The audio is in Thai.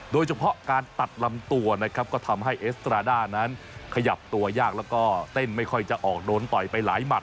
โดยเฉพาะการตัดลำตัวนะครับก็ทำให้เอสตราด้านั้นขยับตัวยากแล้วก็เต้นไม่ค่อยจะออกโดนต่อยไปหลายหมัด